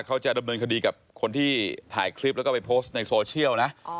เขาจะดำเนินคดีกับคนที่ถ่ายคลิปแล้วก็ไปโพสต์ในโซเชียลนะ